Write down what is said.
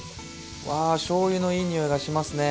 わあしょうゆのいい匂いがしますね！